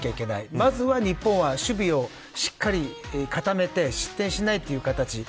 まずは日本は、守備を固めて失点しないという形です。